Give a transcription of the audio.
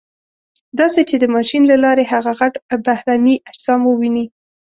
داسې چې د ماشین له لارې هغه غټ بهرني اجسام وویني.